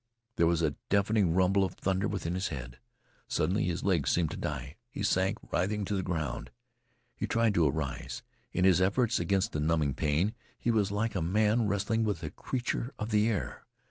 There was a deafening rumble of thunder within his head. Suddenly his legs seemed to die. He sank writhing to the ground. He tried to arise. In his efforts against the numbing pain he was like a man wrestling with a creature of the air.